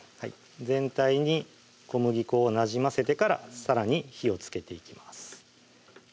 全体に小麦粉をなじませてからさらに火をつけていきます